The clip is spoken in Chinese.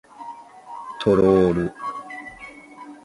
翼果驼蹄瓣为蒺藜科驼蹄瓣属的植物。